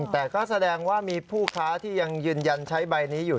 แต่ก็แสดงว่ามีผู้ค้าที่ยังยืนยันใช้ใบนี้อยู่